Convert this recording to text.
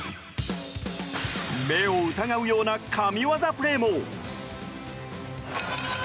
目を疑うような神業プレーも。